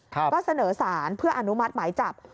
ก็เสนอสารเพื่ออนุมัติหมายจับ